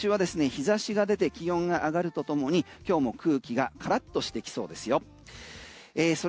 日差しが出て気温が上がるとともに今日も空気がからっとしてきそうですよ。